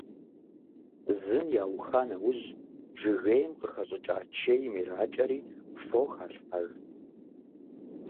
Зын яуха нэужь жыгейм къыхэщӏыкӏа чейм иракӀэри фо халъхьэж.